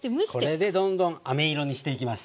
これでどんどんあめ色にしていきます。